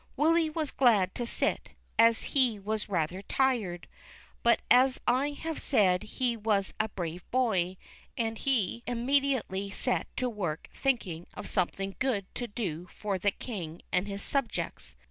Willy was glad to sit, as he was rather tired ; but as I have said he was a brave boy, and he immedi ately set to work thinking of something good to do for the King and his subjects.